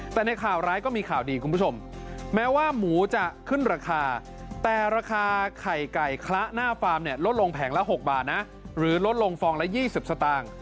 แต่ในข่าวร้ายก็มีข่าวดีคุณผู้ชมแม้ว่าหมูจะขึ้นราคาแต่ราคาไข่ไก่คละหน้าฟาร์มเนี่ยลดลงแผงละ๖บาทนะหรือลดลงฟองละ๒๐สตางค์